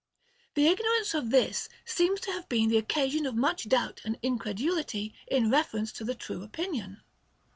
The ignorance of this seems to have been the occasion of much doubt and incredulity in reference to the true opinion.